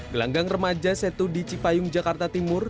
gelanggang remaja setu di cipayung jakarta timur